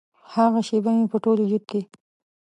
هغه شیبه مې په ټول وجود کې